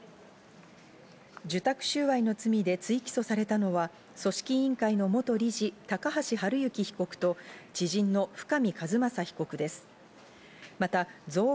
自宅収賄の罪で追起訴されたのは組織委員会の元理事・高橋治之被告と知人の深見和政被告です。